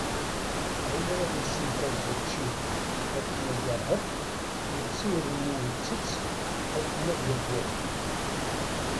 Lidiw (ɛiwaḍ) ad yessenkeẓ učči akken ad yeṛhef, netta irennu ittett akken ad yafway.